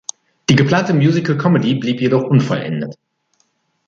Die geplante Musical Comedy blieb jedoch unvollendet.